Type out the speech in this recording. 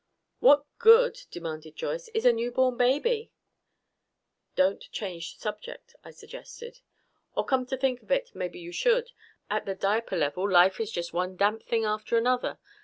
"What good," demanded Joyce, "is a newborn baby?" "Don't change the subject," I suggested. "Or come to think of it, maybe you should. At the diaper level, life is just one damp thing after another.